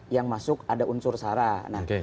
yang masuk ada unsur sarah